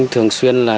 thường xuyên là